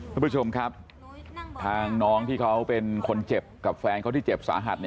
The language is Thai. คุณผู้ชมครับทางน้องที่เขาเป็นคนเจ็บกับแฟนเขาที่เจ็บสาหัส